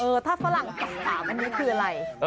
เออถ้าฝรั่งต่างอันนี้คืออะไร